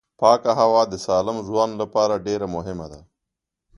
پاکه هوا د سالم ژوند لپاره ډېره مهمه ده